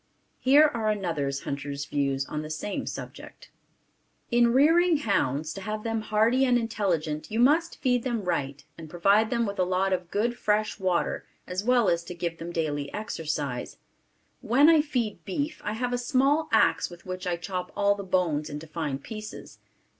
Here are another hunter's views on this same subject: In rearing hounds, to have them hardy and intelligent you must feed them right and provide them with a lot of good fresh water as well as to give them daily exercise. When I feed beef, I have a small axe with which I chop all the bones into fine pieces.